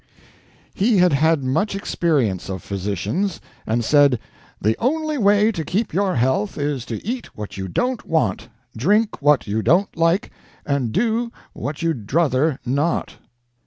He had had much experience of physicians, and said "the only way to keep your health is to eat what you don't want, drink what you don't like, and do what you'd druther not."